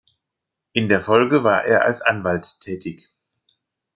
In der Folge war er als Anwalt tätig.